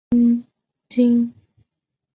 金昭希曾在就读。